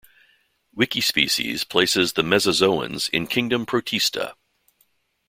Wikispecies places the mesozoans in kingdom protista.